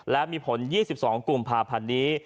และมีผล๒๒กุมภาพันธ์นี้